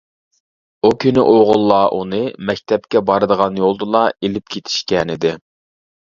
ئۇ كۈنى ئوغۇللار ئۇنى مەكتەپكە بارىدىغان يولدىلا ئېلىپ كېتىشكەنىدى.